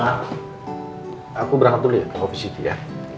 ma aku berangkat dulu ya ke ofisiti ya